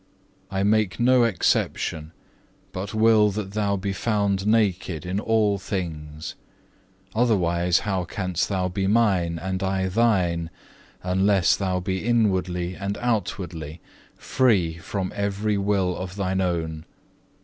I make no exception, but will that thou be found naked in all things. Otherwise how canst thou be Mine and I thine, unless thou be inwardly and outwardly free from every will of thine own?